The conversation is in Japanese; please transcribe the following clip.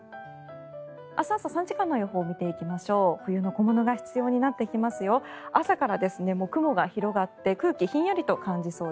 明日朝３時間の予報を見ていきましょう。